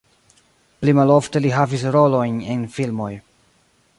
Pli malofte li havis rolojn en filmoj.